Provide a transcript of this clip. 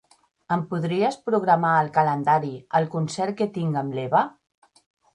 Em podries programar al calendari el concert que tinc amb l'Eva?